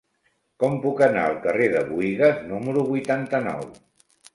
Com puc anar al carrer de Buïgas número vuitanta-nou?